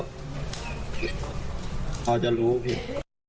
อาจจะรู้ผิด